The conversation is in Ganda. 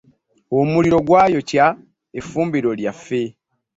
Omuliro gwa yokya efumbiro lyaffe.